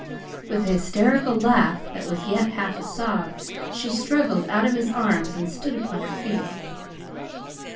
With an hysterical laugh that was yet half a sob, she struggled out of his arms and stood upon her feet.